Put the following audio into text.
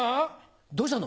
どうしたの？